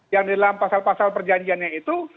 yang di dalam pasal pasal perjanjiannya itu